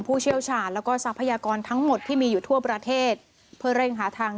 เชี่ยวชาญแล้วก็ทรัพยากรทั้งหมดที่มีอยู่ทั่วประเทศเพื่อเร่งหาทาง